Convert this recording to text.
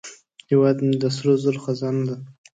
هیواد مې د سرو زرو خزانه ده